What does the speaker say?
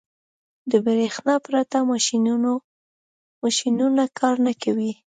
• د برېښنا پرته ماشينونه کار نه کوي.